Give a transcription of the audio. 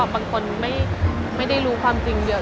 บางคนไม่ได้รู้ความจริงเยอะ